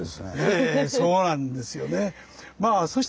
ええそうなんですよね。